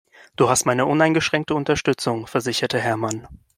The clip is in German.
Du hast meine uneingeschränkte Unterstützung, versicherte Hermann.